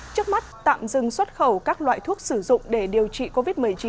trước mắt tạm dừng xuất khẩu các loại thuốc sử dụng để điều trị covid một mươi chín